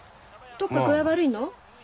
どっか具合悪いの？